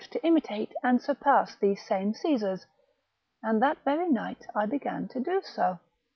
to imitate and surpass these same Csesars, and that very night I began to do so.